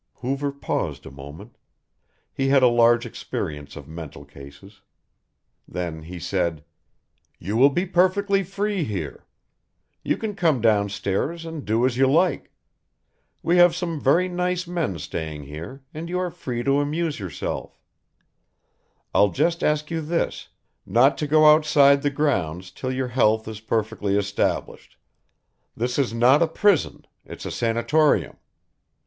Hoover paused a moment. He had a large experience of mental cases. Then he said: "You will be perfectly free here. You can come downstairs and do as you like. We have some very nice men staying here and you are free to amuse yourself. I'll just ask you this, not to go outside the grounds till your health is perfectly established. This is not a prison, it's a sanatorium.